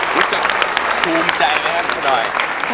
ภูมิใจนะครับพี่หน่อย